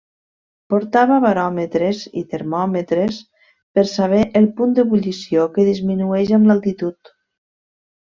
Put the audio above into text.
Portava baròmetres i termòmetres per saber el punt d'ebullició que disminueix amb l'altitud.